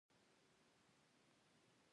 له یوې خوا به پاکستان وکړې شي